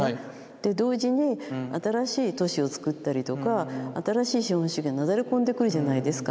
で同時に新しい都市をつくったりとか新しい資本主義がなだれ込んでくるじゃないですか。